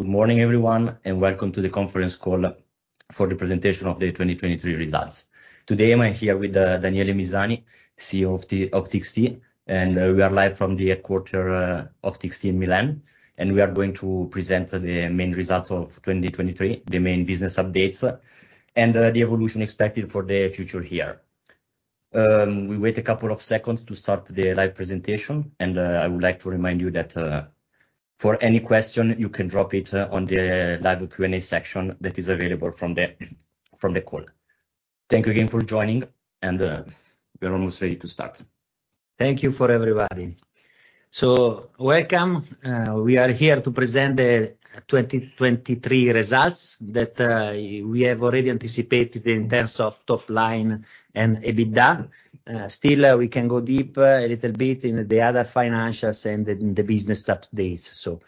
Good morning, everyone, and welcome to the conference call for the presentation of the 2023 results. Today, I'm here with Daniele Misani, CEO of the, of TXT e-solutions, and we are live from the headquarters of TXT e-solutions in Milan, and we are going to present the main results of 2023, the main business updates, and the evolution expected for the future here. We wait a couple of seconds to start the live presentation, and I would like to remind you that, for any question, you can drop it on the live Q&A section that is available from the, from the call. Thank you again for joining, and we're almost ready to start. Thank you, everybody. So welcome, we are here to present the 2023 results that we have already anticipated in terms of top line and EBITDA. Still, we can go deep a little bit in the other financials and the business updates, so.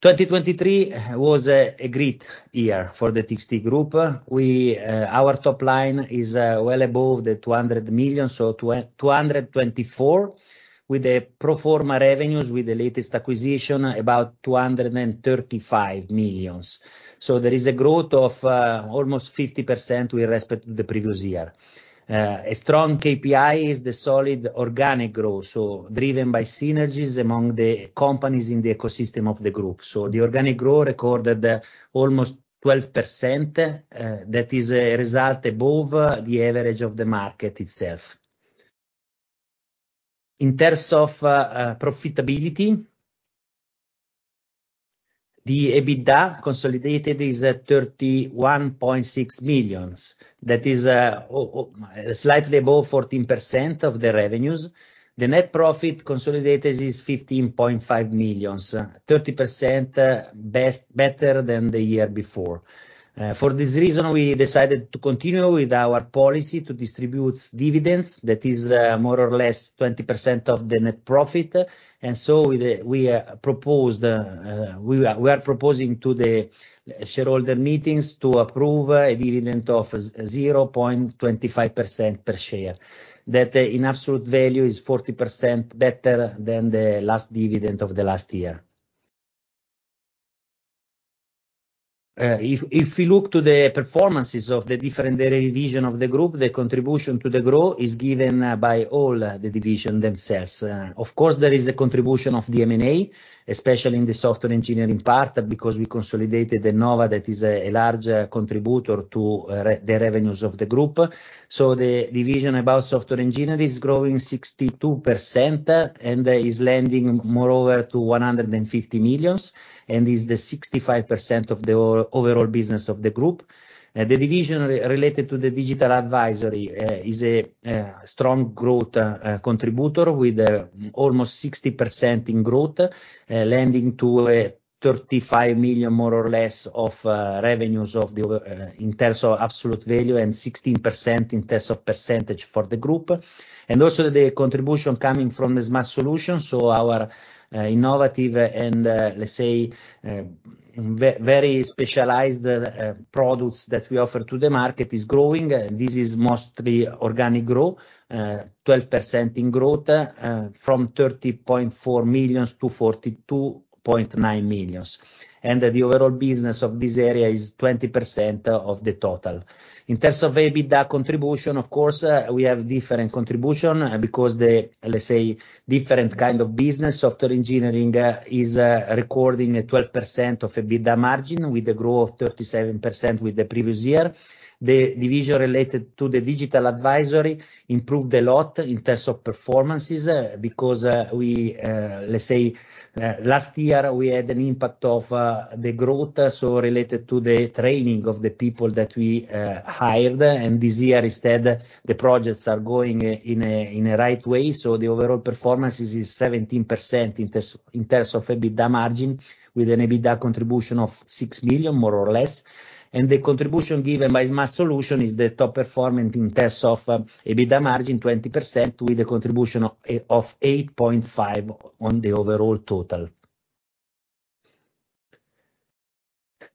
2023 was a great year for the TXT Group. Our top line is well above 200 million, so 224 million, with the pro forma revenues, with the latest acquisition, about 235 million. So there is a growth of almost 50% with respect to the previous year. A strong KPI is the solid organic growth, so driven by synergies among the companies in the ecosystem of the group. So the organic growth recorded almost 12%, that is a result above the average of the market itself. In terms of profitability, the EBITDA consolidated is 31.6 million. That is slightly above 14% of the revenues. The net profit consolidated is 15.5 million, 30% better than the year before. For this reason, we decided to continue with our policy to distribute dividends that is more or less 20% of the net profit. And so we are proposing to the shareholder meetings to approve a dividend of zero point twenty-five percent per share. That, in absolute value, is 40% better than the last dividend of the last year. If you look to the performances of the different division of the group, the contribution to the growth is given by all the division themselves. Of course, there is a contribution of the M&A, especially in the Software Engineering part, because we consolidated Ennova, that is a large contributor to the revenues of the group. So the division about Software Engineering is growing 62%, and is landing moreover to 150 million, and is the 65% of the overall business of the group. The division related to the Digital Advisory is a strong growth contributor, with almost 60% in growth, leading to 35 million, more or less, of revenues in terms of absolute value and 16% in terms of percentage for the group. Also the contribution coming from the Smart Solutions, so our innovative and, let's say, very specialized products that we offer to the market is growing. This is mostly organic growth, 12% in growth, from 30.4 million-42.9 million. The overall business of this area is 20% of the total. In terms of EBITDA contribution, of course, we have different contribution because the, let's say, different kind of business, Software Engineering, is recording a 12% EBITDA margin, with a growth of 37% with the previous year. The division related to the Digital Advisory improved a lot in terms of performances because, let's say, last year, we had an impact of the growth, so related to the training of the people that we hired, and this year, instead, the projects are going in a right way, so the overall performances is 17% in terms of EBITDA margin, with an EBITDA contribution of 6 million, more or less. The contribution given by Smart Solutions is the top performance in terms of EBITDA margin, 20%, with a contribution of 8.5 on the overall total.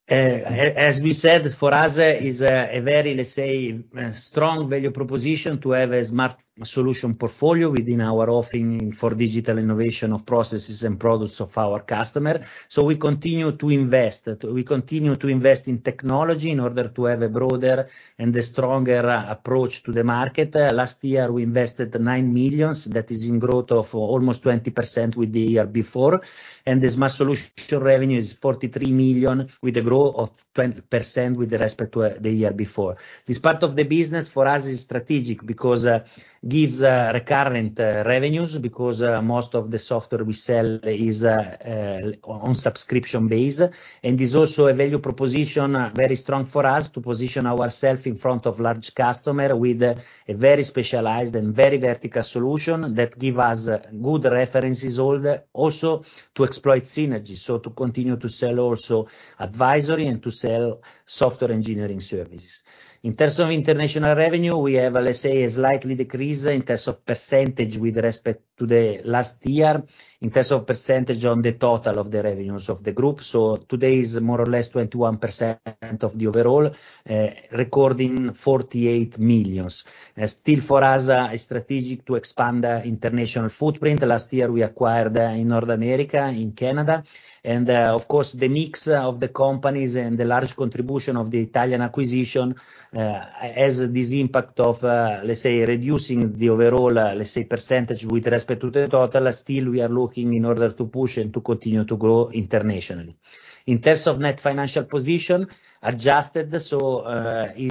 As we said, for us, it is a very, let's say, strong value proposition to have a Smart Solutions portfolio within our offering for digital innovation of processes and products of our customer. So we continue to invest. We continue to invest in technology in order to have a broader and a stronger approach to the market. Last year, we invested 9 million, that is in growth of almost 20% with the year before, and the Smart Solutions revenue is 43 million, with a growth of 20% with respect to the year before. This part of the business for us is strategic because gives recurrent revenues, because most of the software we sell is on subscription base, and is also a value proposition very strong for us to position ourselves in front of large customer, with a very specialized and very vertical solution that give us good references also to exploit synergies, so to continue to sell also advisory and to sell Software Engineering services. In terms of international revenue, we have, let's say, a slight decrease in terms of percentage with respect to the last year, in terms of percentage on the total of the revenues of the group. So today is more or less 21% of the overall, recording 48 million. Still for us a strategic to expand international footprint. Last year, we acquired in North America, in Canada. Of course, the mix of the companies and the large contribution of the Italian acquisition has this impact of, let's say, reducing the overall, let's say, percentage, with respect to the total. Still, we are looking in order to push and to continue to grow internationally. In terms of net financial position, adjusted, is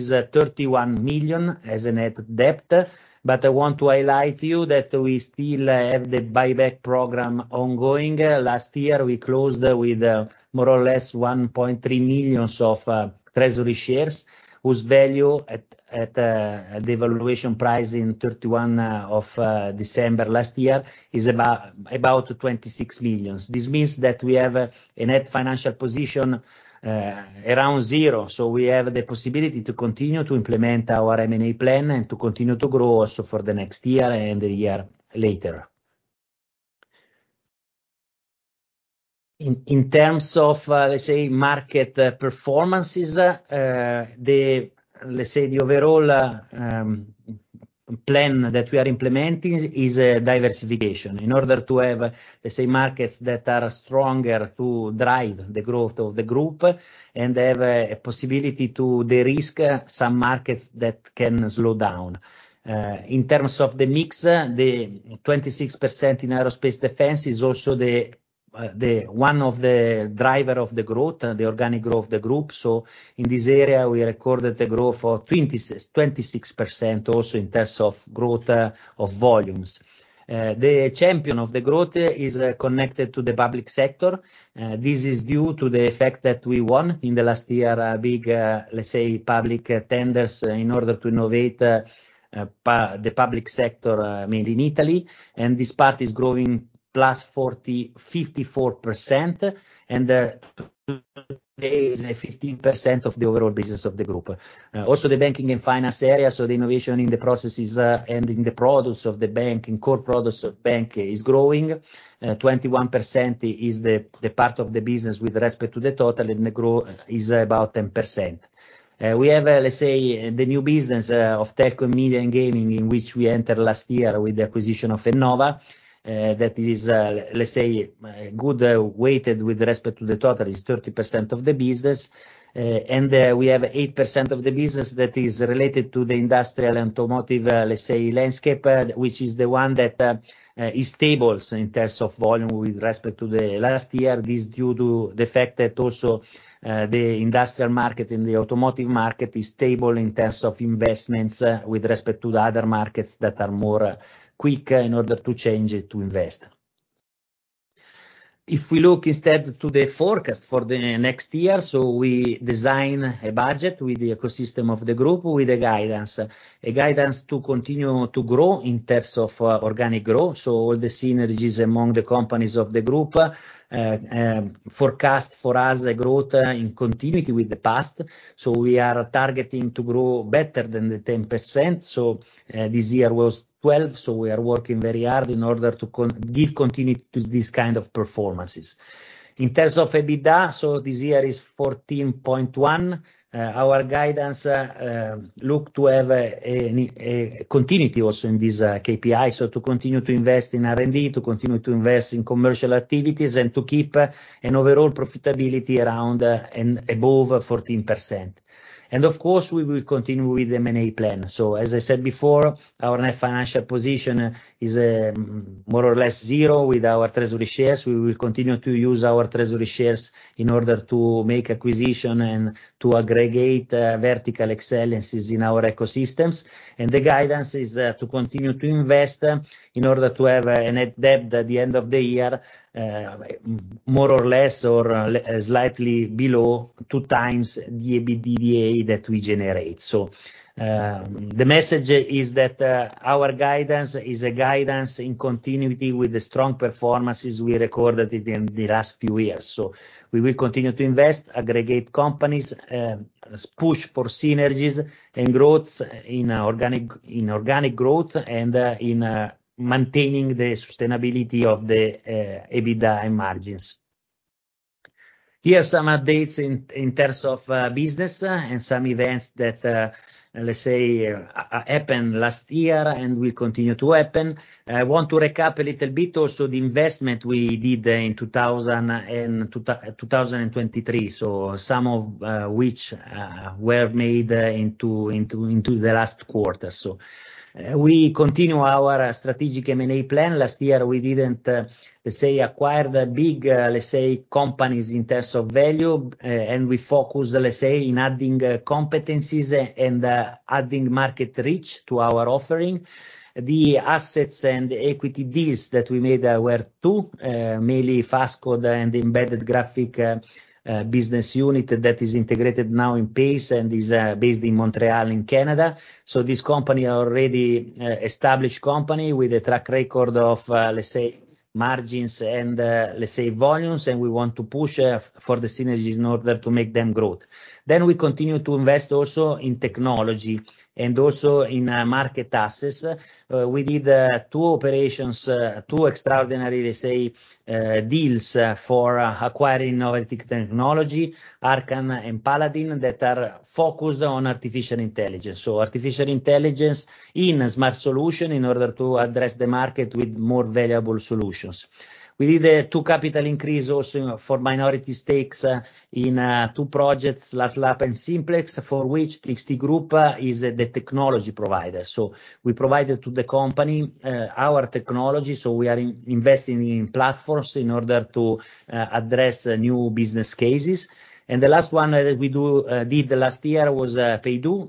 31 million as a net debt. But I want to highlight to you that we still have the buyback program ongoing. Last year, we closed with more or less 1.3 million treasury shares, whose value at the valuation price in 31 December last year is about 26 million. This means that we have a net financial position around zero, so we have the possibility to continue to implement our M&A plan and to continue to grow also for the next year and the year later. In terms of, let's say, market performances, the overall plan that we are implementing is diversification. In order to have, let's say, markets that are stronger to drive the growth of the group, and have a possibility to de-risk some markets that can slow down. In terms of the mix, the 26% in aerospace defense is also the one of the driver of the growth, the organic growth of the group. So in this area, we recorded a growth of 26, 26% also in terms of growth of volumes. The champion of the growth is connected to the public sector. This is due to the effect that we won in the last year, a big, let's say, public tenders in order to innovate the public sector, made in Italy, and this part is growing +54%, and today is 15% of the overall business of the group. Also the banking and finance area, so the innovation in the processes and in the products of the bank and core products of bank is growing. 21% is the part of the business with respect to the total, and the growth is about 10%. We have, let's say, the new business of tech, media, and gaming, in which we entered last year with the acquisition of Ennova. That is, let's say, a good weighted with respect to the total, is 30% of the business. And we have 8% of the business that is related to the industrial and automotive, let's say, landscape, which is the one that is stables in terms of volume with respect to the last year. This due to the fact that also, the industrial market and the automotive market is stable in terms of investments, with respect to the other markets that are more quick in order to change it, to invest. If we look instead to the forecast for the next year, so we design a budget with the ecosystem of the group, with a guidance. A guidance to continue to grow in terms of, organic growth, so all the synergies among the companies of the group, forecast for us, a growth in continuity with the past. So we are targeting to grow better than the 10%, so, this year was 12%, so we are working very hard in order to give continuity to this kind of performances. In terms of EBITDA, so this year is 14.1. Our guidance look to have a continuity also in this KPI, so to continue to invest in R&D, to continue to invest in commercial activities, and to keep an overall profitability around and above 14%. And of course, we will continue with the M&A plan. So as I said before, our net financial position is, more or less zero with our treasury shares. We will continue to use our treasury shares in order to make acquisition and to aggregate vertical excellences in our ecosystems. And the guidance is to continue to invest in order to have a net debt at the end of the year more or less, or less slightly below 2 times the EBITDA that we generate. So the message is that our guidance is a guidance in continuity with the strong performances we recorded in the last few years. So we will continue to invest, aggregate companies, push for synergies and growth in organic, in organic growth and in maintaining the sustainability of the EBITDA margins. Here are some updates in terms of business and some events that let's say happened last year and will continue to happen. I want to recap a little bit also the investment we did in 2023, so some of which were made into the last quarter. We continue our strategic M&A plan. Last year we didn't, let's say, acquire the big, let's say, companies in terms of value, and we focus, let's say, in adding competencies and adding market reach to our offering. The assets and equity deals that we made were two, mainly Fast Code and the Embedded Graphics business unit that is integrated now in PACE and is based in Montreal, in Canada. So this company are already established company with a track record of, let's say, margins and, let's say, volumes, and we want to push for the synergies in order to make them growth. Then we continue to invest also in technology and also in market assets. We did two operations, two extraordinary, let's say, deals, for acquiring innovative technology, Arcan and Paladin, that are focused on artificial intelligence. So artificial intelligence in a smart solution in order to address the market with more valuable solutions. We did two capital increase also for minority stakes, in two projects, LasLab and SimpleX, for which TXT Group is the technology provider. So we provided to the company our technology, so we are investing in platforms in order to address new business cases. And the last one, we did last year was PayDo.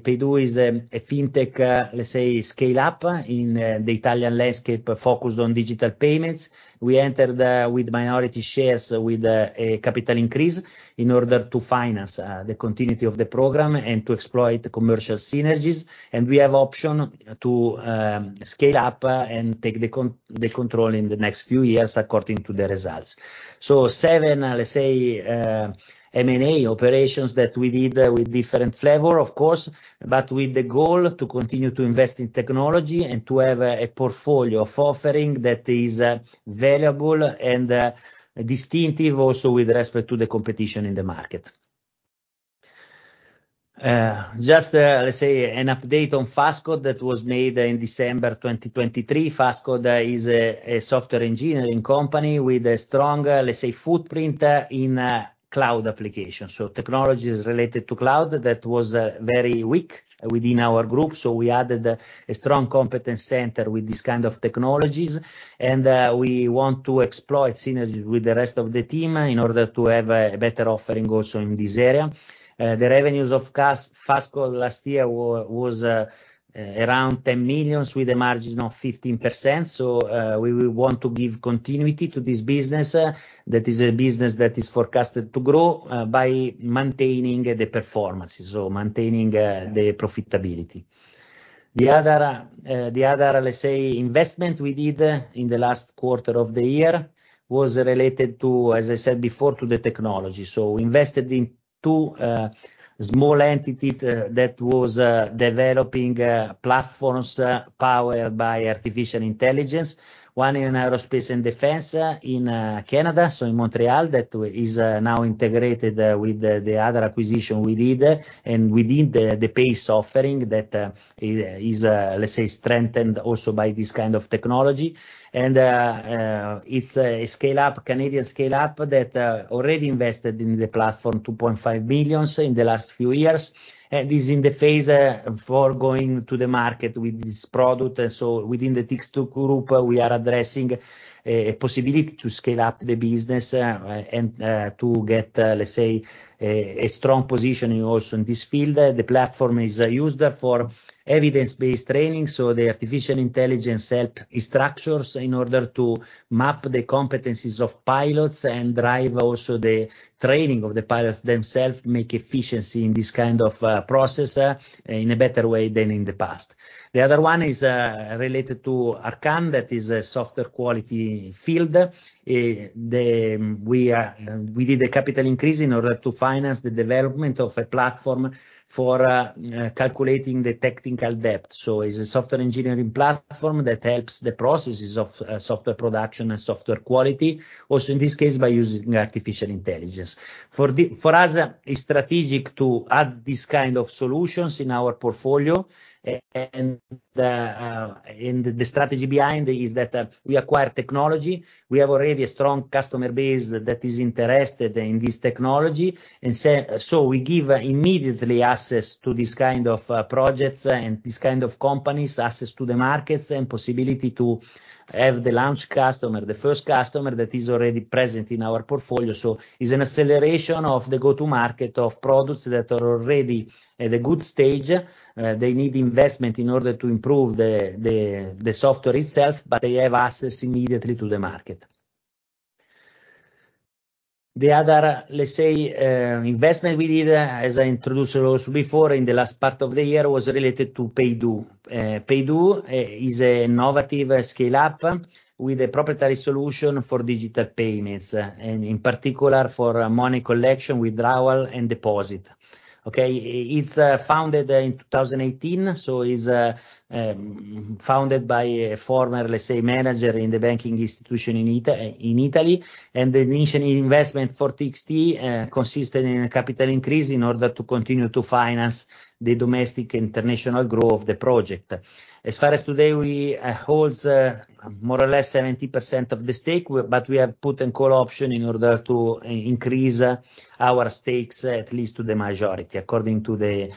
PayDo is a fintech, let's say, scale-up in the Italian landscape, focused on digital payments. We entered with minority shares, with a capital increase in order to finance the continuity of the program and to exploit the commercial synergies, and we have option to scale up and take the control in the next few years, according to the results. So seven, let's say, M&A operations that we did with different flavor, of course, but with the goal to continue to invest in technology and to have a portfolio of offering that is valuable and distinctive also with respect to the competition in the market. Just, let's say, an update on Fast Code that was made in December 2023. Fast Code is a Software Engineering company with a strong, let's say, footprint in cloud applications. So technology is related to cloud. That was very weak within our group, so we added a strong competence center with this kind of technologies. We want to explore synergies with the rest of the team in order to have a better offering also in this area. The revenues of Fast Code last year was around 10 million with a margin of 15%, so we want to give continuity to this business. That is a business that is forecasted to grow by maintaining the performances, so maintaining the profitability. The other, the other, let's say, investment we did in the last quarter of the year was related to, as I said before, to the technology. So we invested in two small entity that was developing platforms powered by artificial intelligence. One in Aerospace and Defense in Canada, so in Montreal, that is now integrated with the other acquisition we did, and within the PACE offering that is let's say strengthened also by this kind of technology. It's a scale-up, Canadian scale-up that already invested in the platform 2.5 billion in the last few years, and is in the phase for going to the market with this product. Within the TXT e-solutions Group, we are addressing a possibility to scale up the business, and to get let's say a strong positioning also in this field. The platform is used for Evidence-Based Training, so the artificial intelligence help structures in order to map the competencies of pilots and drive also the training of the pilots themselves, make efficiency in this kind of process in a better way than in the past. The other one is related to Arcan, that is a software quality field. We did a capital increase in order to finance the development of a platform for calculating the technical debt. So it's a Software Engineering platform that helps the processes of software production and software quality, also in this case, by using artificial intelligence. For us, it's strategic to add these kind of solutions in our portfolio, and the strategy behind it is that we acquire technology. We have already a strong customer base that is interested in this technology, and so, so we give immediately access to this kind of projects and this kind of companies, access to the markets and possibility to have the launch customer, the first customer that is already present in our portfolio. So it's an acceleration of the go-to-market of products that are already at a good stage. They need investment in order to improve the software itself, but they have access immediately to the market. The other, let's say, investment we did, as I introduced also before, in the last part of the year, was related to PayDo. PayDo is an innovative scale-up with a proprietary solution for digital payments, and in particular for money collection, withdrawal and deposit. Okay? It's founded in 2018, so it's founded by a former, let's say, manager in the banking institution in Italy. And the initial investment for TXT consisted in a capital increase in order to continue to finance the domestic international growth of the project. As far as today, we holds more or less 70% of the stake, but we have put a call option in order to increase our stakes, at least to the majority, according to the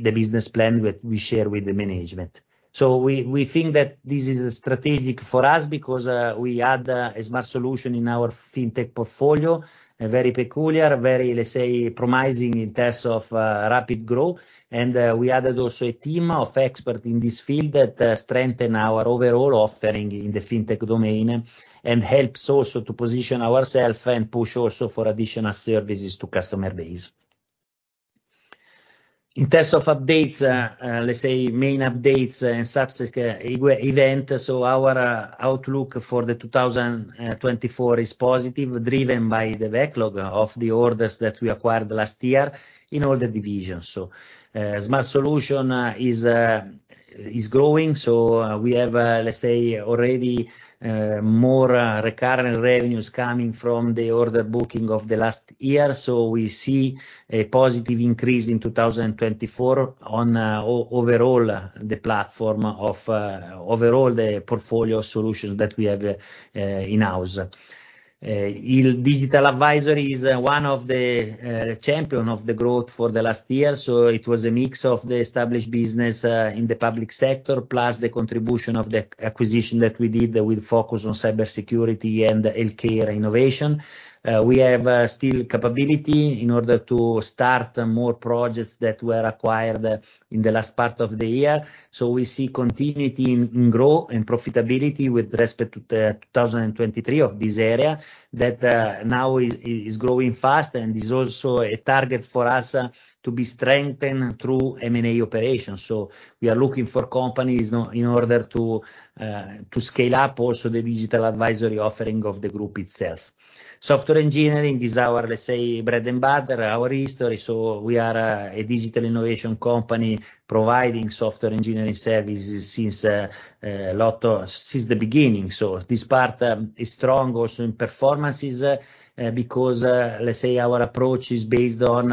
business plan we share with the management. So we think that this is strategic for us because we add a smart solution in our fintech portfolio, a very peculiar, very, let's say, promising in terms of rapid growth. We added also a team of experts in this field that strengthen our overall offering in the Fintech domain, and helps also to position ourselves and push also for additional services to customer base. In terms of updates, let's say, main updates and subsequent event, so our outlook for 2024 is positive, driven by the backlog of the orders that we acquired last year in all the divisions. So, Smart Solutions is growing, so we have, let's say, already more recurring revenues coming from the order booking of the last year. So we see a positive increase in 2024 on overall the platform of overall the portfolio solution that we have in-house. Digital Advisory is one of the champion of the growth for the last year. So it was a mix of the established business in the public sector, plus the contribution of the acquisition that we did with focus on Cybersecurity and healthcare innovation. We have still capability in order to start more projects that were acquired in the last part of the year, so we see continuity in growth and profitability with respect to 2023 of this area, that now is growing fast and is also a target for us to be strengthened through M&A operations. So we are looking for companies now in order to to scale up also the Digital Advisory offering of the group itself. Software Engineering is our, let's say, bread and butter, our history, so we are a digital innovation company providing Software Engineering services since the beginning. So this part is strong also in performances, because let's say our approach is based on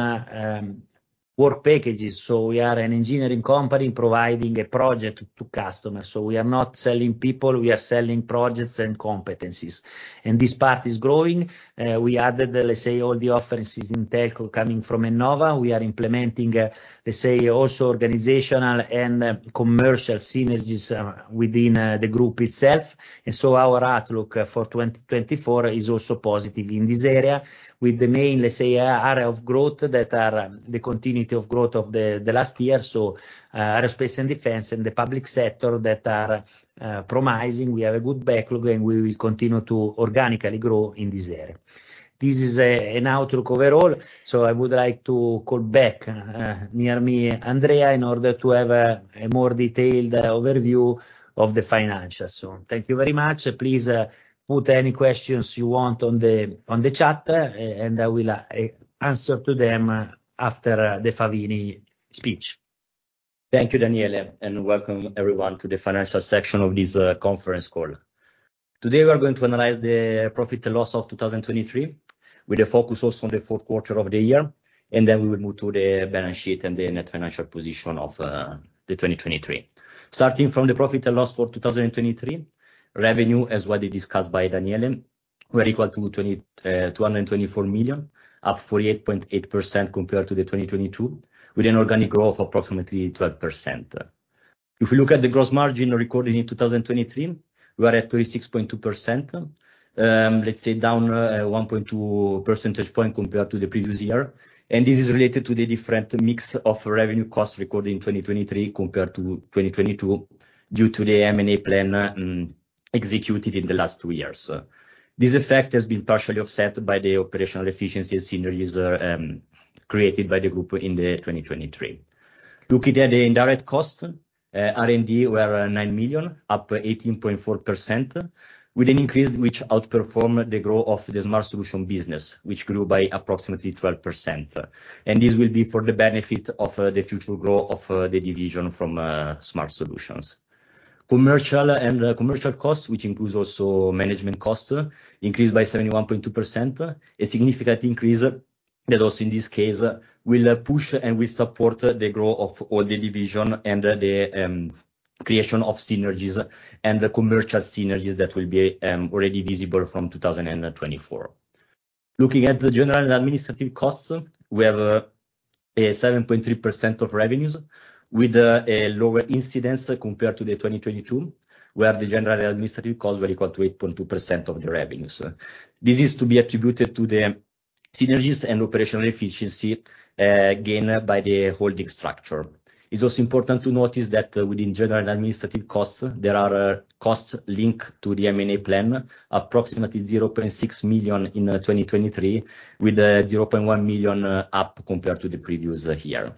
work packages, so we are an engineering company providing a project to customers. So we are not selling people, we are selling projects and competencies, and this part is growing. We added, let's say, all the offerings in telco coming from Ennova. We are implementing, let's say, also organizational and commercial synergies within the group itself. And so our outlook for 2024 is also positive in this area, with the main, let's say, area of growth that are the continuity of growth of the last year. So, aerospace and defense and the public sector that are promising, we have a good backlog, and we will continue to organically grow in this area. This is an outlook overall, so I would like to call back near me, Andrea, in order to have a more detailed overview of the financials. So thank you very much. Please, put any questions you want on the chat, and I will answer to them after the Favini speech. Thank you, Daniele, and welcome everyone to the financial section of this conference call. Today, we are going to analyze the profit and loss of 2023, with a focus also on the fourth quarter of the year, and then we will move to the balance sheet and the net financial position of the 2023. Starting from the profit and loss for 2023, revenue, as widely discussed by Daniele, were equal to 224 million, up 48.8% compared to the 2022, with an organic growth of approximately 12%. If you look at the gross margin recorded in 2023, we are at 36.2%, let's say down 1.2 percentage point compared to the previous year. This is related to the different mix of revenue costs recorded in 2023 compared to 2022, due to the M&A plan executed in the last two years. This effect has been partially offset by the operational efficiencies, synergies created by the group in the 2023. Looking at the indirect cost, R&D were 9 million, up 18.4%, with an increase which outperformed the growth of the smart solution business, which grew by approximately 12%. This will be for the benefit of the future growth of the division from smart solutions. Commercial and commercial costs, which includes also management costs, increased by 71.2%, a significant increase that also in this case will push and will support the growth of all the division and the creation of synergies and the commercial synergies that will be already visible from 2024. Looking at the general administrative costs, we have a seven point three percent of revenues, with a lower incidence compared to the 2022, where the general administrative costs were equal to 8.2% of the revenues. This is to be attributed to the synergies and operational efficiency gained by the holding structure. It's also important to notice that within general administrative costs, there are costs linked to the M&A plan, approximately 0.6 million in 2023, with a 0.1 million up compared to the previous year.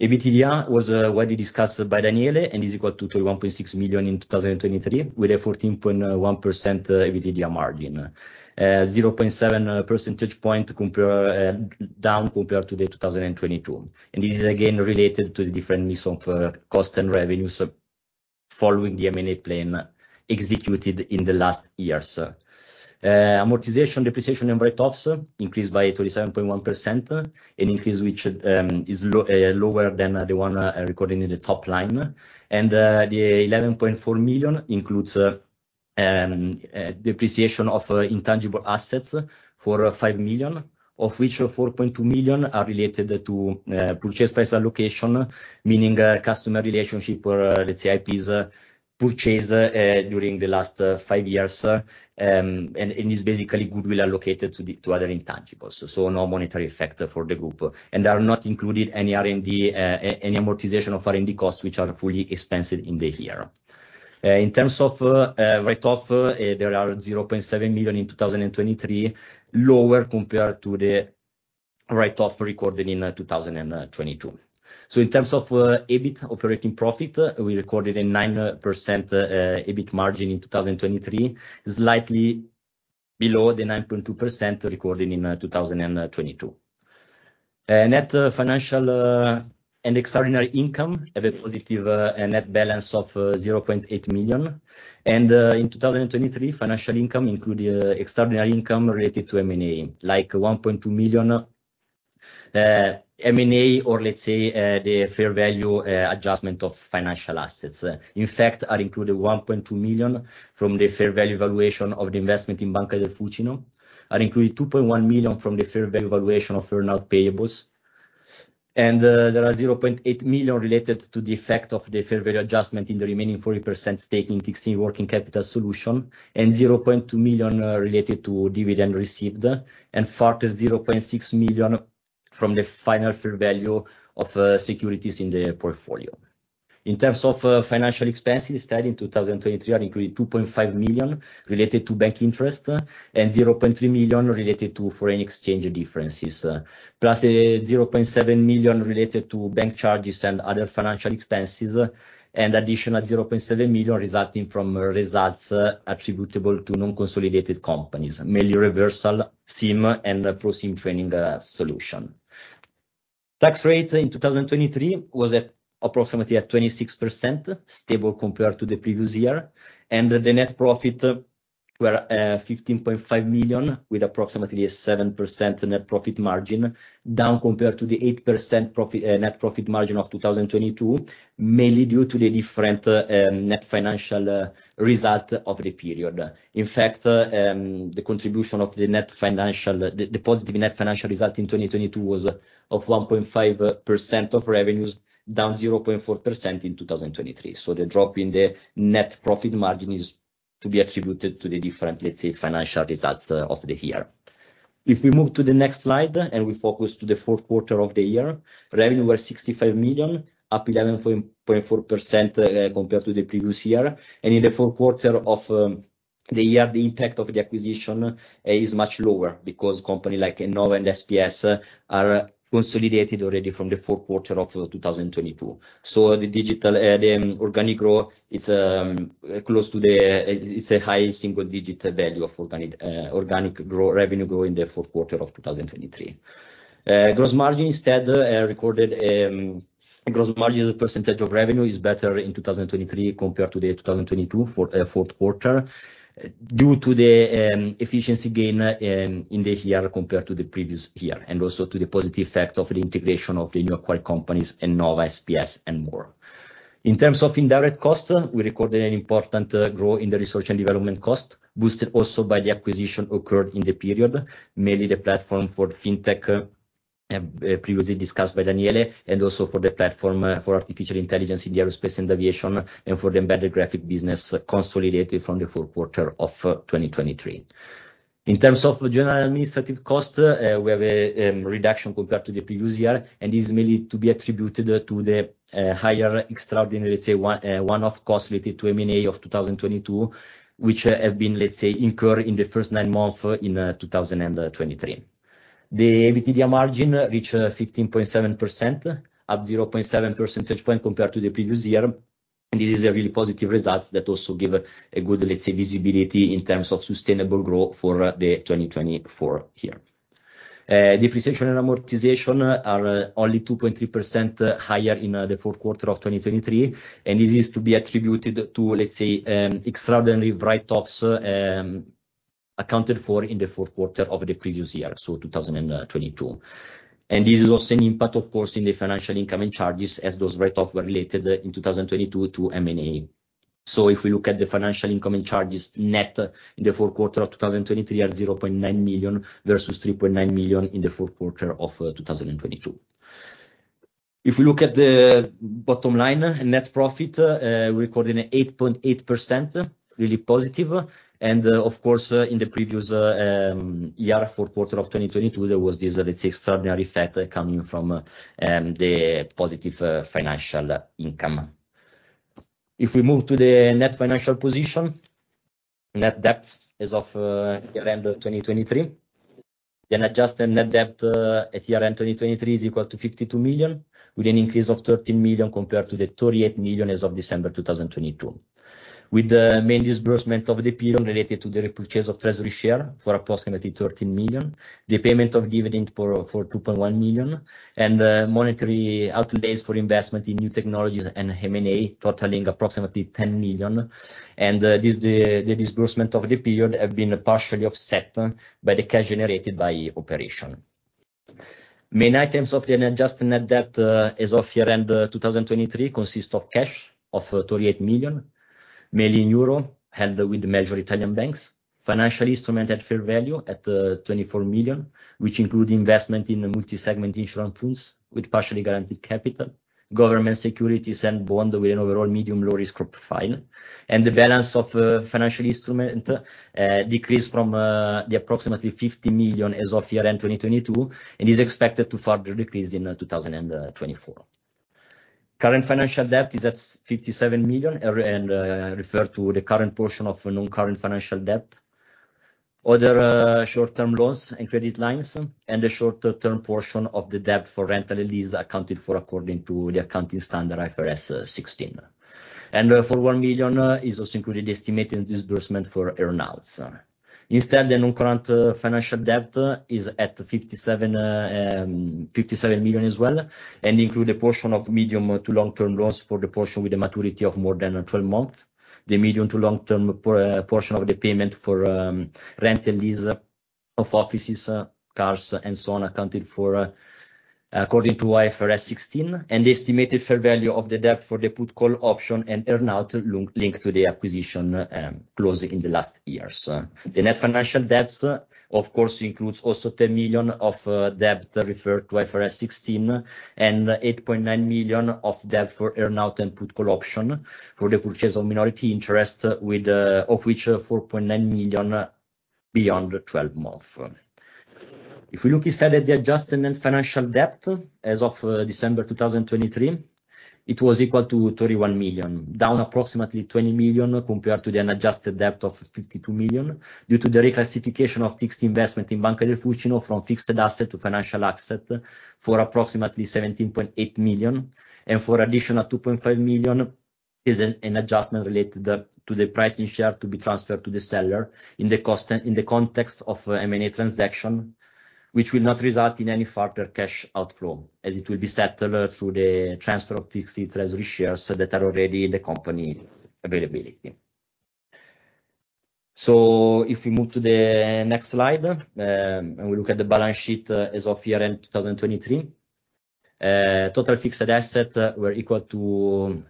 EBITDA was widely discussed by Daniele and is equal to 31.6 million in 2023, with a 14.1% EBITDA margin. 0.7 percentage point down compared to 2022. And this is again related to the different mix of cost and revenues following the M&A plan executed in the last years. Amortization, depreciation, and write-offs increased by 37.1%, an increase which is lower than the one recorded in the top line. The 11.4 million includes depreciation of intangible assets for 5 million, of which 4.2 million are related to purchase price allocation, meaning a customer relationship or let's say, IP's purchased during the last five years, and is basically goodwill allocated to the other intangibles, so no monetary effect for the group. There are not included any R&D any amortization of R&D costs, which are fully expensed in the year. In terms of write-off, there are 0.7 million in 2023, lower compared to the write-off recorded in 2022. So in terms of EBIT operating profit, we recorded a 9% EBIT margin in 2023, slightly below the 9.2% recorded in 2022. Net financial and extraordinary income have a positive net balance of 0.8 million. In 2023, financial income included extraordinary income related to M&A, like 1.2 million M&A, or let's say the fair value adjustment of financial assets. In fact, are included 1.2 million from the fair value valuation of the investment in Banca del Fucino, are included 2.1 million from the fair value valuation of fair value payables. There are 0.8 million related to the effect of the fair value adjustment in the remaining 40% stake in TXT Working Capital Solutions, and 0.2 million related to dividend received, and further 0.6 million from the final fair value of securities in the portfolio. In terms of financial expenses, starting in 2023, are included 2.5 million related to bank interest and 0.3 million related to foreign exchange differences, plus a 0.7 million related to bank charges and other financial expenses, and additional 0.7 million resulting from results attributable to non-consolidated companies, mainly Reversal SIM, and ProSim Training Solutions. Tax rate in 2023 was at approximately at 26%, stable compared to the previous year, and the net profit-... were 15.5 million, with approximately a 7% net profit margin, down compared to the 8% profit, net profit margin of 2022, mainly due to the different, net financial result of the period. In fact, the contribution of the net financial, the positive net financial result in 2022 was of 1.5% of revenues, down 0.4% in 2023. So the drop in the net profit margin is to be attributed to the different, let's say, financial results, of the year. If we move to the next slide, and we focus to the fourth quarter of the year, revenue was 65 million, up 11.4%, compared to the previous year. And in the fourth quarter of the year, the impact of the acquisition is much lower because company like Ennova and SPS are consolidated already from the fourth quarter of 2022. So the digital, the organic growth, it's close to the. It's a high single digit value of organic revenue growth in the fourth quarter of 2023. Gross margin instead recorded, gross margin as a percentage of revenue is better in 2023 compared to 2022 for fourth quarter, due to the efficiency gain in the year compared to the previous year, and also to the positive effect of the integration of the new acquired companies, Ennova, SPS, and more. In terms of indirect cost, we recorded an important growth in the research and development cost, boosted also by the acquisition occurred in the period, mainly the platform for Fintech, previously discussed by Daniele, and also for the platform for artificial intelligence in the aerospace and aviation, and for the Embedded Graphics business consolidated from the fourth quarter of 2023. In terms of general administrative cost, we have a reduction compared to the previous year, and this is mainly to be attributed to the higher extraordinary, let's say, one-off cost related to M&A of 2022, which have been, let's say, incurred in the first nine months in 2023. The EBITDA margin reached 15.7%, up 0.7 percentage point compared to the previous year. This is a really positive results that also give a good, let's say, visibility in terms of sustainable growth for the 2024 year. Depreciation and amortization are only 2.3% higher in the fourth quarter of 2023, and this is to be attributed to, let's say, extraordinary write-offs accounted for in the fourth quarter of the previous year, so 2022. And this is also an impact, of course, in the financial income and charges, as those write-off were related in 2022 to M&A. So if we look at the financial income and charges net in the fourth quarter of 2023 are 0.9 million versus 3.9 million in the fourth quarter of 2022. If we look at the bottom line, net profit, we recorded an 8.8%, really positive. And, of course, in the previous year, fourth quarter of 2022, there was this, let's say, extraordinary factor coming from, the positive, financial income. If we move to the net financial position, net debt as of, year-end 2023, the adjusted net debt, at year-end 2023 is equal to 52 million, with an increase of 13 million compared to the 38 million as of December 2022. With the main disbursement of the period related to the repurchase of treasury share for approximately 13 million, the payment of dividend for 2.1 million, and, monetary outlays for investment in new technologies and M&A totaling approximately 10 million. The disbursement of the period have been partially offset by the cash generated by operation. Main items of the adjusted net debt, as of year-end 2023, consist of cash of 38 million, mainly in euro, held with major Italian banks. Financial instrument at fair value at 24 million, which include investment in the multi-segment insurance funds with partially guaranteed capital, government securities and bond with an overall medium-low risk profile. The balance of financial instrument decreased from the approximately 50 million as of year-end 2022, and is expected to further decrease in 2024. Current financial debt is at 57 million, and referred to the current portion of non-current financial debt. Other short-term loans and credit lines, and the short-term portion of the debt for rent and lease accounted for according to the accounting standard IFRS 16. And for 1 million is also included estimated disbursement for earnouts. Instead, the non-current financial debt is at 57 million as well, and include a portion of medium to long-term loans for the portion with a maturity of more than 12 months. The medium to long-term portion of the payment for rent and lease of offices, cars and so on, accounted for according to IFRS 16, and the estimated fair value of the debt for the put call option and earnout linked to the acquisition closing in the last years. The net financial debts, of course, includes also 10 million of debt referred to IFRS 16, and 8.9 million of debt for earnout and put call option for the purchase of minority interest with, of which 4.9 million beyond twelve months. If we look instead at the adjusted net financial debt as of December 2023, it was equal to 31 million, down approximately 20 million compared to the unadjusted debt of 52 million, due to the reclassification of fixed investment in Banca del Fucino from fixed asset to financial asset for approximately 17.8 million. And for additional 2.5 million is an adjustment related to the pricing share to be transferred to the seller in the cost, in the context of M&A transaction, which will not result in any further cash outflow, as it will be settled through the transfer of fixed treasury shares that are already in the company availability. So if we move to the next slide, and we look at the balance sheet as of year-end 2023, total fixed assets were equal to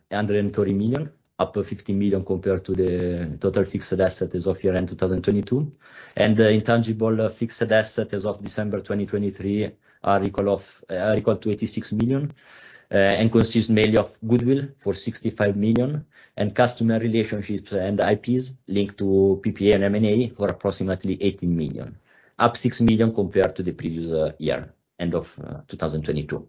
130 million, up 50 million compared to the total fixed assets as of year-end 2022. The intangible fixed assets as of December 2023 are equal to 86 million, and consists mainly of goodwill for 65 million, and customer relationships and IPs linked to PPA and M&A for approximately 18 million, up 6 million compared to the previous year-end of 2022.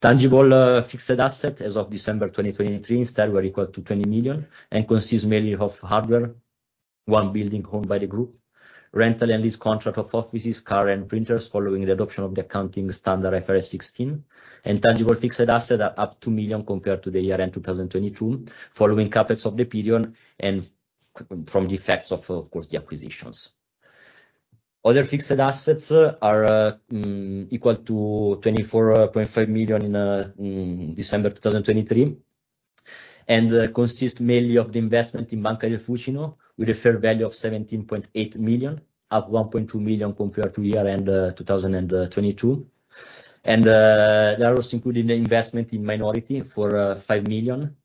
Tangible fixed assets as of December 2023, instead, were equal to 20 million, and consists mainly of hardware, one building owned by the group, rental and lease contract of offices, car and printers following the adoption of the accounting standard IFRS 16. Intangible fixed assets are up 2 million compared to the year-end 2022, following CapEx of the period and from the effects of, of course, the acquisitions. Other fixed assets are equal to 24.5 million in December 2023, and consists mainly of the investment in Banca del Fucino, with a fair value of 17.8 million, up 1.2 million compared to year-end 2022. That also included the investment in minority for 5 million,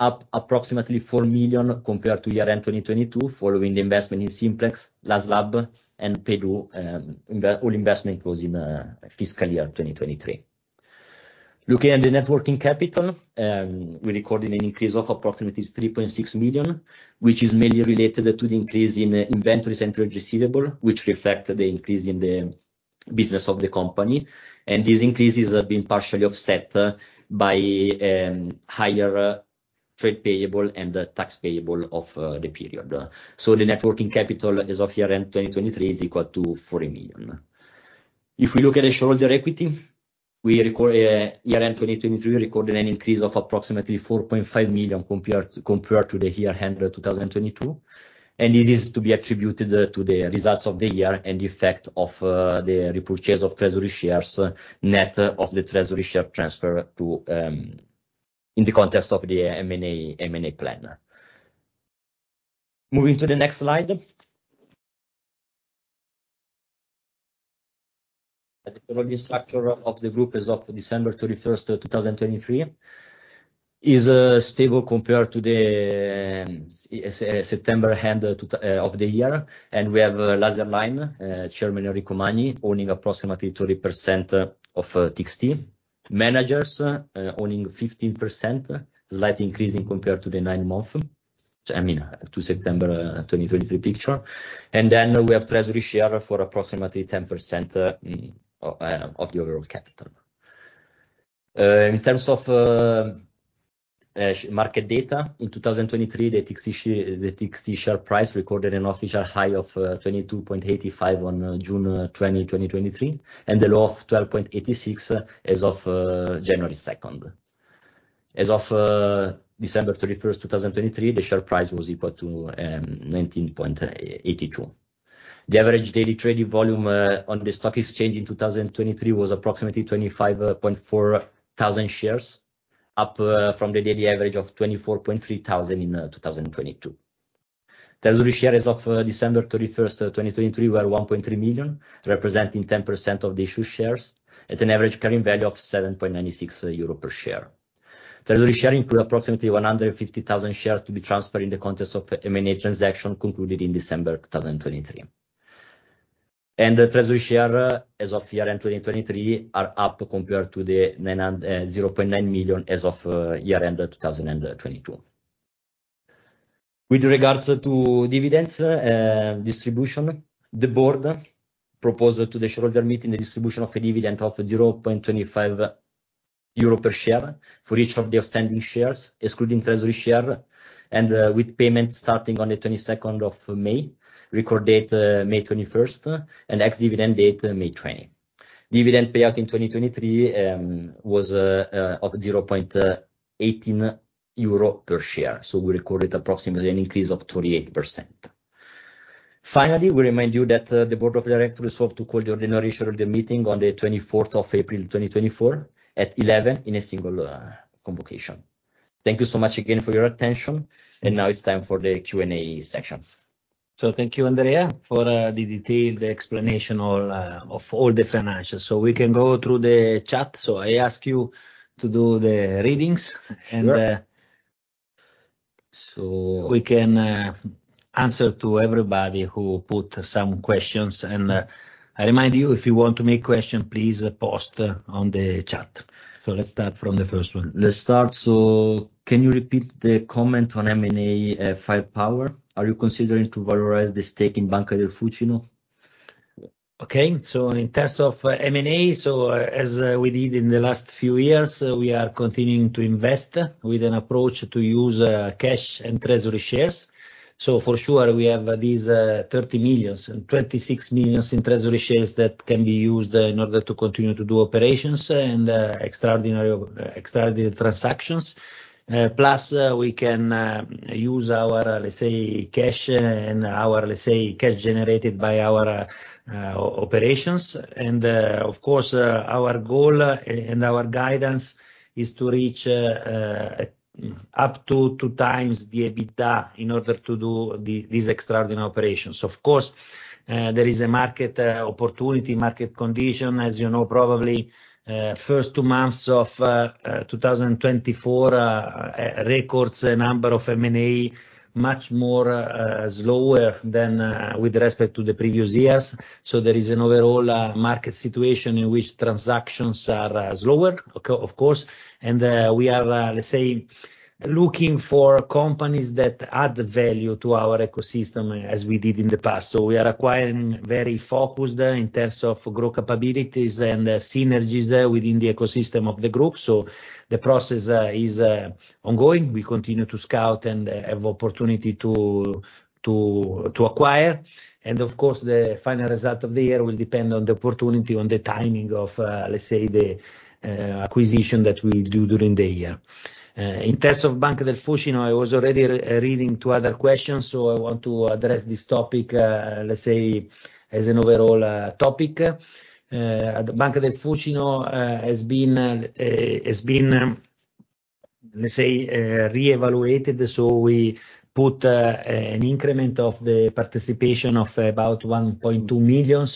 up approximately 4 million compared to year-end 2022, following the investment in SimpleX, LasLab, and PayDo. All investment was in fiscal year 2023. Looking at the net working capital, we recorded an increase of approximately 3.6 million, which is mainly related to the increase in inventory current and receivable, which reflect the increase in the business of the company. These increases have been partially offset by higher trade payable and the tax payable of the period. So the net working capital as of year-end 2023 is equal to 40 million. If we look at the shareholder equity, year-end 2023 recorded an increase of approximately 4.5 million compared to the year-end 2022, and this is to be attributed to the results of the year and the effect of the repurchase of treasury shares, net of the treasury share transfer to in the context of the M&A plan. Moving to the next slide. The holding structure of the group as of December 31, 2023, is stable compared to the September end to of the year, and we have Alchimia, Chairman Enrico Magni, owning approximately 30% of Txt. Managers owning 15%, slight increase in compared to the nine-month. I mean, to September 2023 picture. And then we have treasury shares for approximately 10% of the overall capital. In terms of market data, in 2023, the Txt share, the Txt share price recorded an official high of 22.85 on June 20, 2023, and a low of 12.86 as of January 2nd, 2023. As of December 31st, 2023, the share price was equal to 19.82. The average daily trading volume on the stock exchange in 2023 was approximately 25.4 thousand shares, up from the daily average of 24.3 thousand in 2022. Treasury shares as of December 31st, 2023, were 1.3 million, representing 10% of the issued shares, at an average current value of 7.96 euro per share. Treasury shares include approximately 150,000 shares to be transferred in the context of M&A transaction concluded in December 2023. The treasury shares, as of year-end 2023, are up compared to the 0.9 million as of year-end 2022. With regards to dividends, distribution, the board proposed to the shareholder meeting the distribution of a dividend of 0.25 euro per share for each of the outstanding shares, excluding treasury share, and, with payment starting on the 22nd of May, record date May 21st, and ex-dividend date May 20. Dividend payout in 2023 was of 0.18 euro per share, so we recorded approximately an increase of 38%. Finally, we remind you that the board of directors resolved to call the ordinary shareholder meeting on the 24th of April, 2024 at 11, in a single convocation. Thank you so much again for your attention, and now it's time for the Q&A section. So thank you, Andrea, for the detailed explanation all of all the financials. So we can go through the chat. So I ask you to do the readings- Sure. And so we can answer to everybody who put some questions. And I remind you, if you want to make question, please post on the chat. So let's start from the first one. Let's start. So can you repeat the comment on M&A, firepower? Are you considering to valorize the stake in Banca del Fucino? Okay, so in terms of M&A, so, as we did in the last few years, we are continuing to invest with an approach to use cash and treasury shares. So for sure, we have these 30 million and 26 million in treasury shares that can be used in order to continue to do operations and extraordinary transactions. Plus, we can use our, let's say, cash and our, let's say, cash generated by our operations. And, of course, our goal and our guidance is to reach up to 2x the EBITDA in order to do these extraordinary operations. Of course, there is a market opportunity, market condition, as you know, probably, first two months of 2024 records a number of M&A much more slower than with respect to the previous years. So there is an overall market situation in which transactions are slower, of course, and we are, let's say, looking for companies that add value to our ecosystem, as we did in the past. So we are acquiring very focused in terms of growth capabilities and synergies there within the ecosystem of the group. So the process is ongoing. We continue to scout and have opportunity to acquire, and of course, the final result of the year will depend on the opportunity, on the timing of, let's say, the acquisition that we do during the year. In terms of Banca del Fucino, I was already reading two other questions, so I want to address this topic, let's say, as an overall topic. The Banca del Fucino has been, let's say, reevaluated, so we put an increment of the participation of about 1.2 million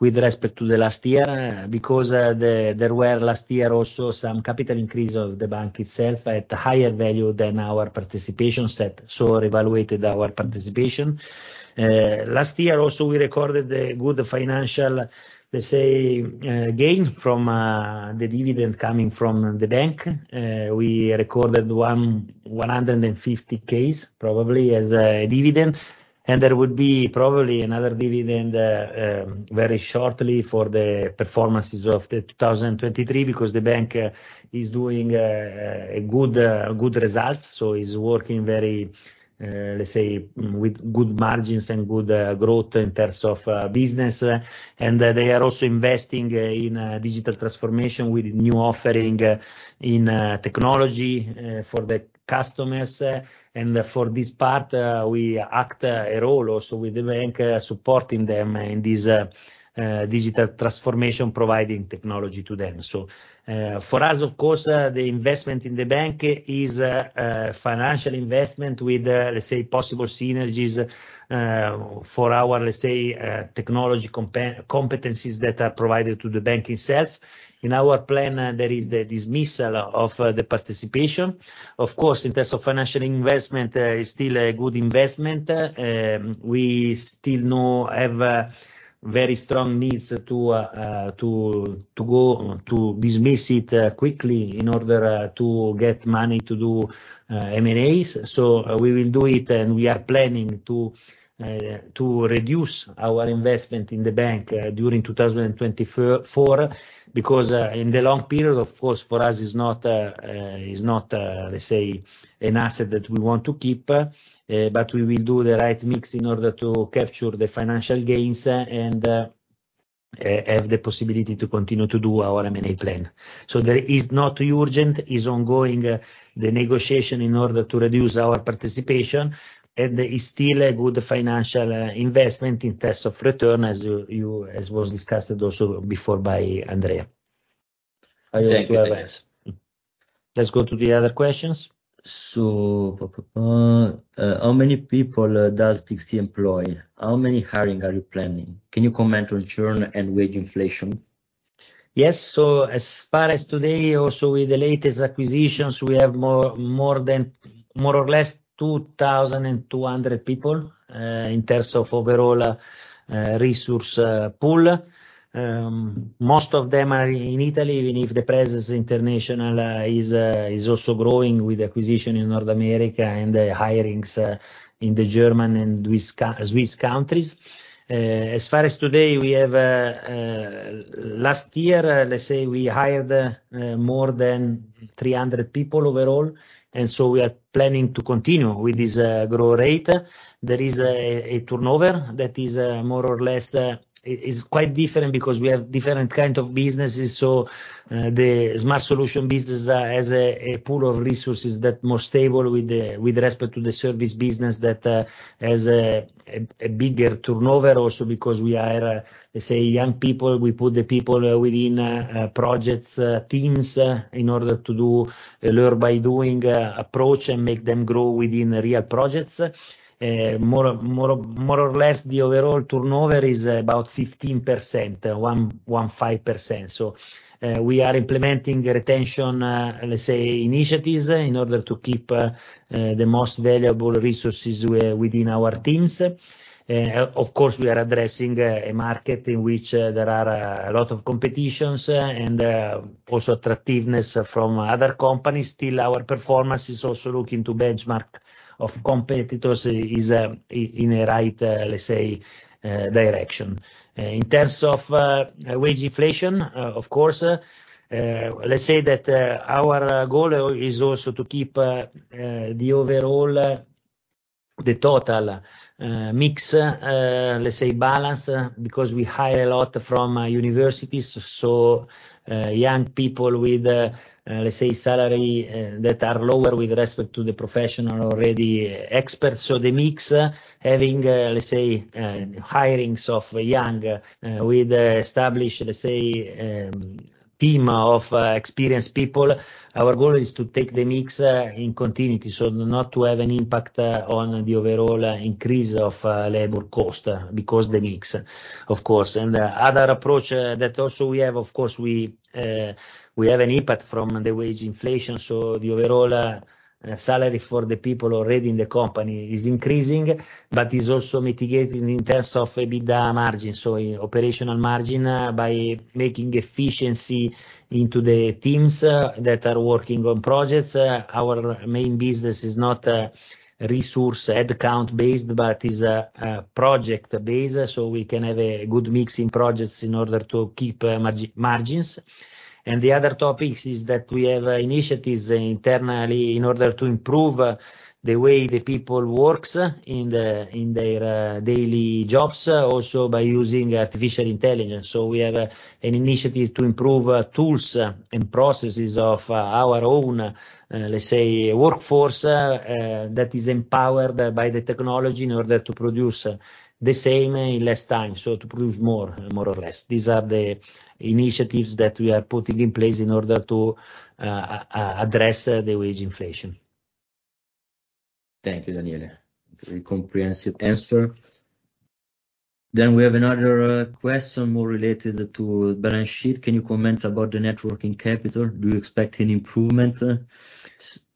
with respect to the last year, because there were last year also some capital increase of the bank itself at a higher value than our participation set, so reevaluated our participation. Last year also, we recorded a good financial, let's say, gain from the dividend coming from the bank. We recorded 150,000, probably as a dividend, and there would be probably another dividend very shortly for the performances of 2023, because the bank is doing good results. So it's working very, let's say, with good margins and good growth in terms of business, and they are also investing in digital transformation with new offering in technology for the customers. And for this part, we act a role also with the bank, supporting them in this digital transformation, providing technology to them. For us, of course, the investment in the bank is a financial investment with, let's say, possible synergies for our, let's say, technology competencies that are provided to the bank itself. In our plan, there is the dismissal of the participation. Of course, in terms of financial investment, it's still a good investment, we still no have a very strong needs to go to dismiss it quickly in order to get money to do M&As. So we will do it, and we are planning to reduce our investment in the bank during 2024, because in the long period, of course, for us, it's not, it's not, let's say, an asset that we want to keep, but we will do the right mix in order to capture the financial gains, and have the possibility to continue to do our M&A plan. So there is not urgent, is ongoing the negotiation in order to reduce our participation, and there is still a good financial investment in terms of return, as was discussed also before by Andrea. Thank you. Let's go to the other questions. How many people does TXT e-solutions employ? How many hiring are you planning? Can you comment on churn and wage inflation? Yes. So as far as today, also with the latest acquisitions, we have more or less 2,200 people in terms of overall resource pool. Most of them are in Italy, even if the presence international is also growing with acquisition in North America and the hirings in the German and Swiss countries. As far as today, we have last year, let's say we hired more than 300 people overall, and so we are planning to continue with this growth rate. There is a turnover that is more or less quite different because we have different kind of businesses. So, the Smart Solutions business has a pool of resources that more stable with respect to the service business that has a bigger turnover. Also because we are, let's say, young people, we put the people within projects teams in order to do a learn by doing approach and make them grow within the real projects. More or less, the overall turnover is about 15%, 15%. So, we are implementing retention, let's say, initiatives in order to keep the most valuable resources within our teams. Of course, we are addressing a market in which there are a lot of competitions and also attractiveness from other companies. Still, our performance is also looking to benchmark of competitors is, in a right, let's say, direction. In terms of, wage inflation, of course, let's say that, our goal is also to keep, the overall, the total, mix, let's say balance, because we hire a lot from universities, so, young people with, let's say, salary, that are lower with respect to the professional already experts. So the mix, having, let's say, hirings of young, with established, let's say, team of, experienced people, our goal is to take the mix, in continuity, so not to have an impact, on the overall, increase of, labor cost, because the mix, of course. And other approach that also we have, of course, we have an impact from the wage inflation, so the overall salary for the people already in the company is increasing, but is also mitigating in terms of EBITDA margin, so operational margin, by making efficiency into the teams that are working on projects. Our main business is not resource head count based, but is a project base, so we can have a good mix in projects in order to keep margins. And the other topics is that we have initiatives internally in order to improve the way the people works in the, in their daily jobs also by using artificial intelligence. So we have an initiative to improve tools and processes of our own, let's say, workforce that is empowered by the technology in order to produce the same in less time, so to produce more, more or less. These are the initiatives that we are putting in place in order to address the wage inflation. Thank you, Daniele. Very comprehensive answer. Then we have another question more related to balance sheet. Can you comment about the net working capital? Do you expect any improvement?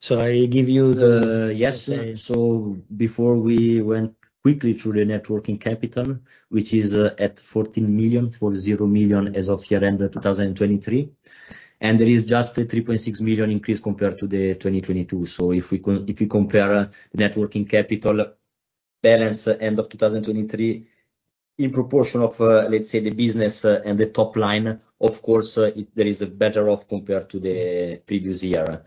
So I give you the yes. So before we went quickly through the net working capital, which is at 14 million, 40 million as of year-end of 2023, and there is just a 3.6 million increase compared to the 2022. So if you compare net working capital balance end of 2023, in proportion of, let's say, the business, and the top line, of course, it there is a better off compared to the previous year.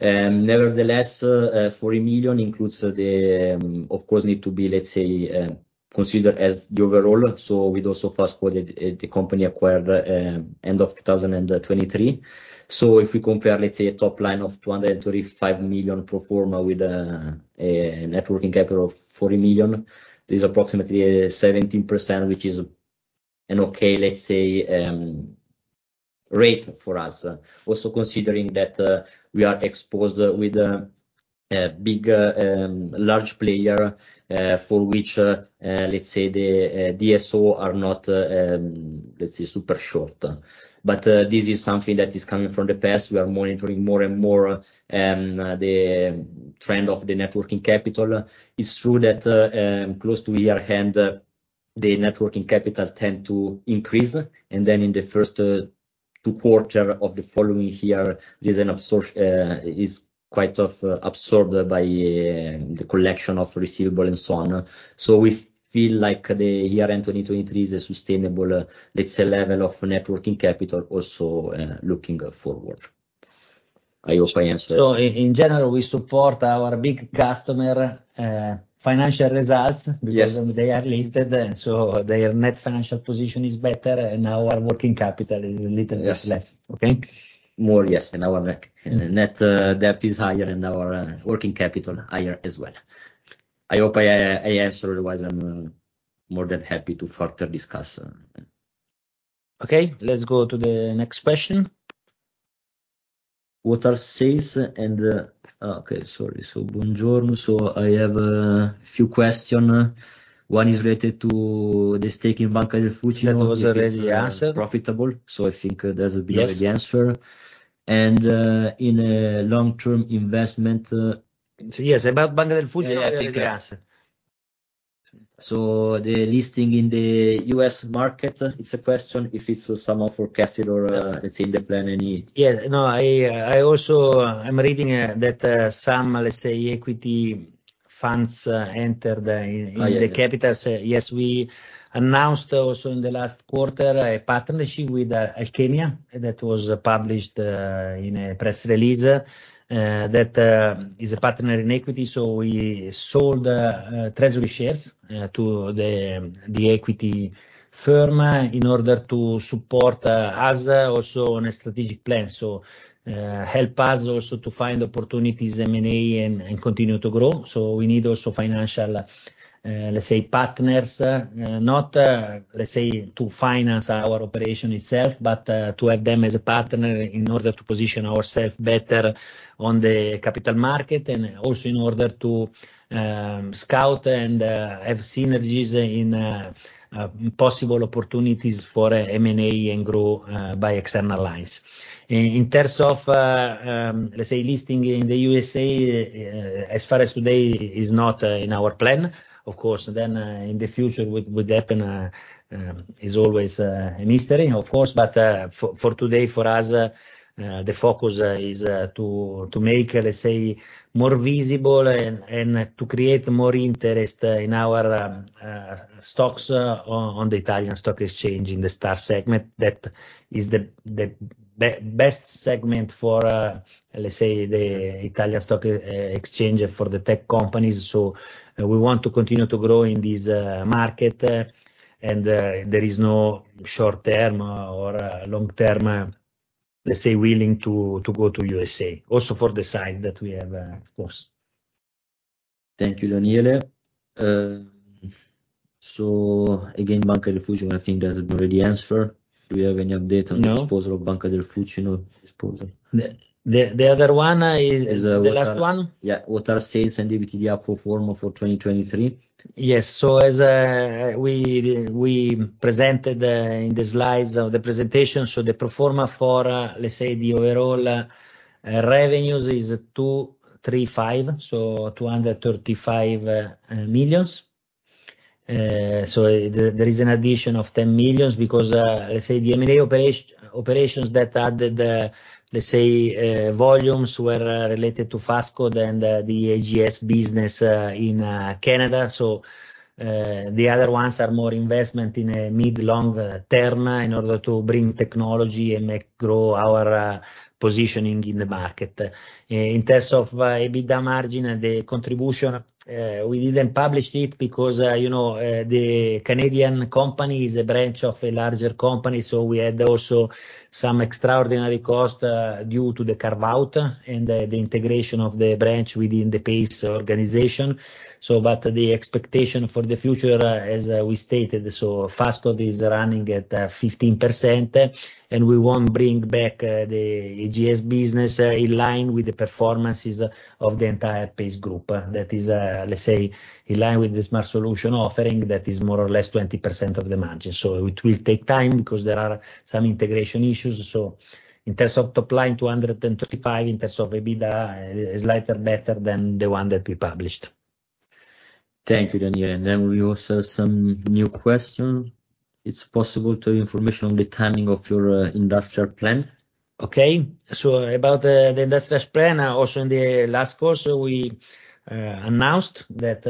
Nevertheless, 40 million includes the, of course, need to be, let's say, considered as the overall, so with also Fast Code, the company acquired, end of 2023. So if we compare, let's say, a top line of 235 million pro forma with a net working capital of 40 million, there's approximately 17%, which is an okay, let's say, rate for us. Also, considering that we are exposed with a big large player for which, let's say the DSO are not, let's say, super short. But this is something that is coming from the past. We are monitoring more and more the trend of the net working capital. It's true that close to year-end, the net working capital tend to increase, and then in the first two quarters of the following year, there's an absorb... is quite of absorbed by the collection of receivable and so on. We feel like the year-end 2023 is a sustainable, let's say, level of net working capital also, looking forward. I hope I answered. So in general, we support our big customer financial results. Yes. Because they are listed, and so their net financial position is better, and our working capital is a little bit less. Yes. Okay? More, yes, and our net debt is higher and our working capital higher as well. I hope I answered, otherwise, I'm more than happy to further discuss. Okay, let's go to the next question. Okay, sorry. So Buongiorno. So I have a few question. One is related to the stake in Banca Ifis. That was already answered. Profitable, so I think there's a bit of an answer. Yes. In a long-term investment, So yes, Banca Ifis, yes. So the listing in the U.S. market, it's a question if it's somehow forecasted or, let's say, in the plan any? Yeah. No, I also... I'm reading that some, let's say, equity funds entered in- Oh, yeah... the capital. Yes, we announced also in the last quarter a partnership with Alchimia that was published in a press release that is a partner in equity, so we sold treasury shares to the equity firm in order to support us also on a strategic plan. So help us also to find opportunities, M&A, and continue to grow. So we need also financial, let's say, partners, not, let's say, to finance our operation itself, but to have them as a partner in order to position ourself better on the capital market and also in order to scout and have synergies in possible opportunities for M&A and grow by external lines. In terms of, let's say, listing in the USA, as far as today, is not in our plan. Of course, then, in the future, would happen is always a mystery, of course, but for today, for us, the focus is to make, let's say, more visible and to create more interest in our stocks on the Italian Stock Exchange, in the STAR segment, that is the best segment for, let's say, the Italian Stock Exchange for the tech companies. So we want to continue to grow in this market, and there is no short-term or long-term, let's say, willing to go to USA, also for the size that we have, of course.... Thank you, Daniele. So again, Banca del Fucino, I think that already answered. Do you have any update on- No disposal of Banca del Fucino disposal? The other one is- Is, uh- the last one? Yeah. What are sales and EBITDA pro forma for 2023? Yes. So as we presented in the slides of the presentation, so the pro forma for, let's say, the overall revenues is 235, so 235 millions. So there is an addition of 10 millions because, let's say the M&A operations that added, let's say, volumes were related to Fast Code and the AGS business in Canada. So the other ones are more investment in a mid-long term in order to bring technology and make grow our positioning in the market. In terms of EBITDA margin and the contribution, we didn't publish it because, you know, the Canadian company is a branch of a larger company, so we had also some extraordinary cost due to the carve-out and the integration of the branch within the PACE organization. So but the expectation for the future, as we stated, so Fast Code is running at 15%, and we want to bring back the AGS business in line with the performances of the entire PACE group. That is, let's say in line with the Smart Solutions offering, that is more or less 20% of the margin. So it will take time, because there are some integration issues. So in terms of top line, 235. In terms of EBITDA, is slightly better than the one that we published. Thank you, Daniele. Then we also have a new question. Is it possible to get information on the timing of your industrial plan? Okay. So about the industrial plan, also in the last quarter, we announced that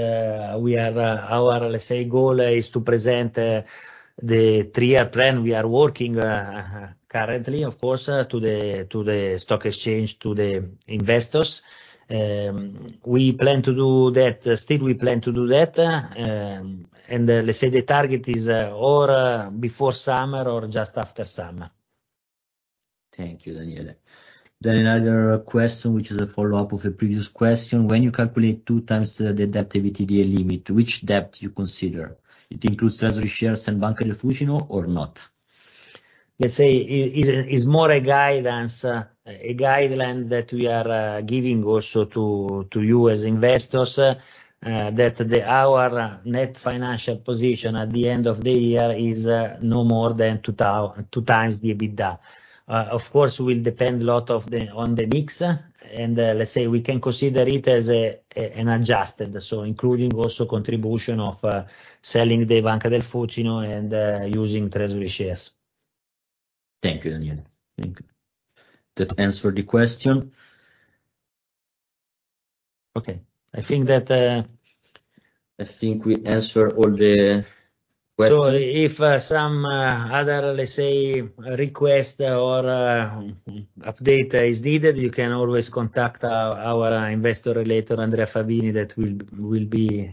we are... Our, let's say, goal is to present the three-year plan. We are working currently, of course, to the stock exchange, to the investors. We plan to do that. Still, we plan to do that, and, let's say, the target is or before summer or just after summer. Thank you, Daniele. Then another question, which is a follow-up of a previous question: When you calculate two times the Net Debt to EBITDA limit, which debt you consider? It includes treasury shares and Banca del Fucino or not? Let's say, it is more a guide than a guideline that we are giving also to you as investors, that our net financial position at the end of the year is no more than 2 times the EBITDA. Of course, will depend a lot on the mix, and let's say we can consider it as an adjusted, so including also contribution of selling the Banca del Fucino and using treasury shares. Thank you, Daniele. Thank you. That answered the question. Okay. I think that, I think we answered all the question. So if some other, let's say, request or update is needed, you can always contact our investor relations, Andrea Favini, that will be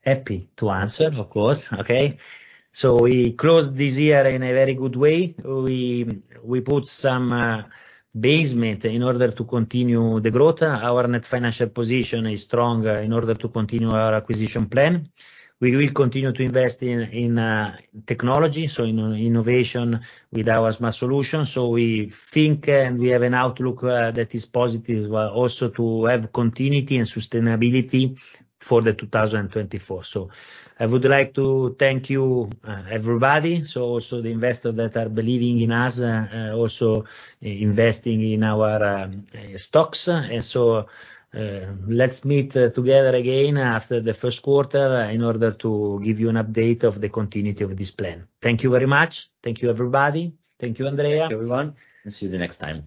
happy to answer, of course. Okay? So we closed this year in a very good way. We put some basement in order to continue the growth. Our net financial position is strong in order to continue our acquisition plan. We will continue to invest in technology, so in innovation with our Smart Solutions. So we think, and we have an outlook that is positive as well, also to have continuity and sustainability for 2024. So I would like to thank you everybody, so also the investors that are believing in us, also investing in our stocks. And so, let's meet together again after the first quarter in order to give you an update of the continuity of this plan. Thank you very much. Thank you, everybody. Thank you, Andrea. Thank you, everyone, and see you the next time.